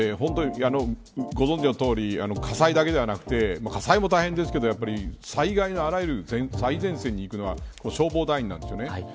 ご存じのとおり火災だけではなくて火災も大変ですけど災害のあらゆる最前線に行くのは消防団員なんですよね。